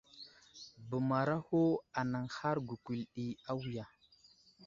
Bəmaraho anaŋhar gukuli ɗi awiya.